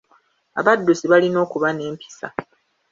Abaddusi balina okuba n'empisa.